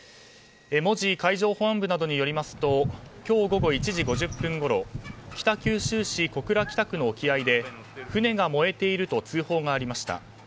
門司海上保安部などによりますと今日午後１時５０分ごろ北九州市小倉北区の沖合で船が燃えていると通報がありました。